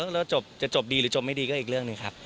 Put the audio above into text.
แล้วจบจะจบดีหรือจบไม่ดีก็อีกเรื่องหนึ่งครับ